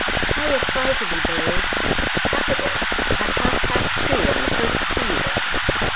"I will try to be brave." "Capital! At half past two on the first tee, then."